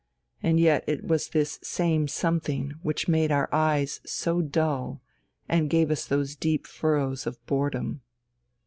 And yet it was this same something which made our eyes so dull, and gave us those deep furrows of boredom....